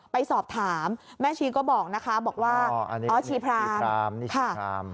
ไปสอบถามแม่ชีก็บอกว่าอ๋อชีพราม